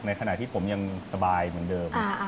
ขณะที่ผมยังสบายเหมือนเดิม